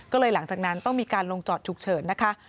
ก็เลยหลังจากนั้นต้องมีการลงจอดฉุกเฉินนะคะ